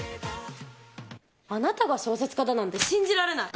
あなたが小説家だなんて信じられない。